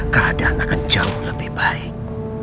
keadaan akan jauh lebih baik